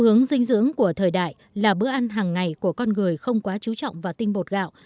xu hướng dinh dưỡng của thời đại là bữa ăn hàng ngày của con người không quá chú trọng vào tinh bột gạo